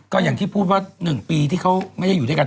ก็อย่างที่พูดว่า๑ปีที่เขาไม่ได้อยู่ด้วยกัน